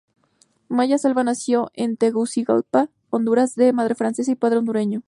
Maya Selva nació en Tegucigalpa, Honduras, de madre francesa y padre hondureño.